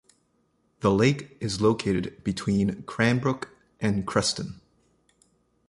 The lake is located between Cranbrook and Creston.